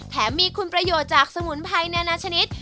แถมมีคุณประโยชน์จากสมุนไพรนานาชนิด